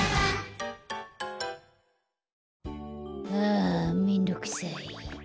あめんどくさい。